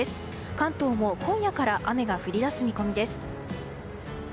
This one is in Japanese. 関東も今夜から雨が降り出す見込みです。